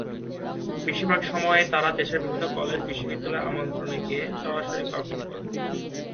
বেশিরভাগ সময়েই তারা দেশের বিভিন্ন কলেজ, বিশ্ববিদ্যালয়ের আমন্ত্রণে গিয়ে সরাসরি পারফর্ম করেন।